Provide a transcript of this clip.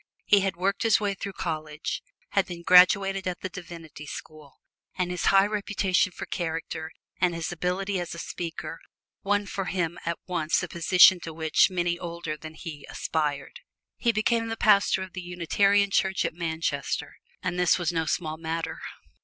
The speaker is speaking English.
He had worked his way through college, had been graduated at the Divinity School, and his high reputation for character and his ability as a speaker won for him at once a position to which many older than he aspired. He became the pastor of the Unitarian Church at Manchester and this was no small matter!